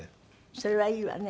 それはいいわね。